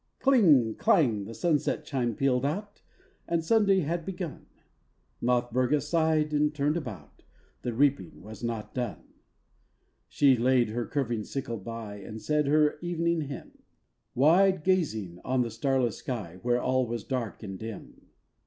"Cling clang!" The sunset chime pealed out, And Sunday had begun; Nothburga sighed and turned about The reaping was not done. She laid her curving sickle by, And said her evening hymn, Wide gazing on the starless sky, Where all was dark and dim.